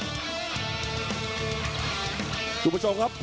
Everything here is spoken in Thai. สิ่งสิทธิ์เจ๊ปริมเอาชนะชัดเปลี่ยนของเราครับ